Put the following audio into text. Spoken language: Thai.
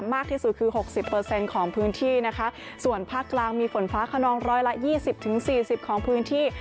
มากที่สุดคือหกสิบเปอร์เซ็นต์ของพื้นที่นะคะส่วนภาคกลางมีฝนฟ้าขนองร้อยละยี่สิบถึงสี่สิบของพื้นที่